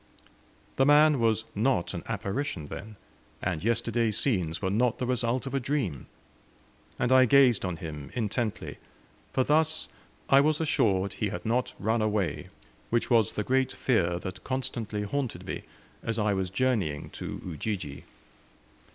The man was not an apparition, then, and yesterday's scenes were not the result of a dream! and I gazed on him intently, for thus I was assured he had not run away, which was the great fear that constantly haunted me as I was journeying to Ujiji.